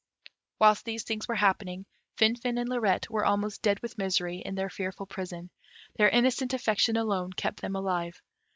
Whilst these things were happening, Finfin and Lirette were almost dead with misery in their fearful prison; their innocent affection alone kept them alive.